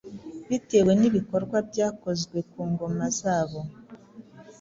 bitewe n’ibikorwa byakozwe ku ngoma zabo